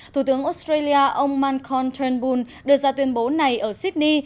thủ tướng australia ông mancon turnbull đưa ra tuyên bố này ở sydney